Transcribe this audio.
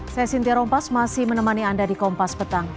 saya sintia rompas masih menemani anda di kompas petang